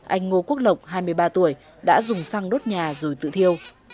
anh ngô quốc lộng hai mươi ba tuổi đã dùng xăng đốt nhà rồi tự thiêu